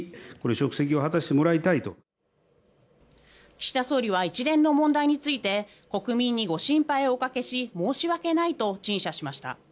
岸田総理は一連の問題について国民にご心配をおかけし申し訳ないと陳謝しました。